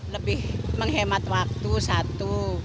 lebih menghemat waktu satu